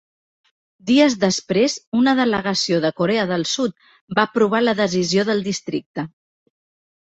Dies després, una delegació de Corea del Sud va aprovar la decisió del districte.